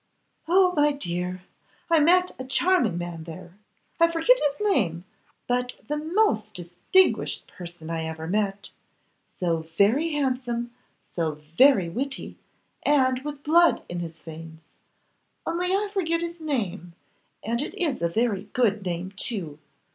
'Oh! my dear, I met a charming man there, I forget his name, but the most distinguished person I ever met; so very handsome, so very witty, and with blood in his veins, only I forget his name, and it is a very good name, too.